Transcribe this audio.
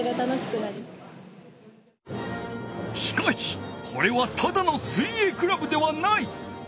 しかしこれはただの水泳クラブではない！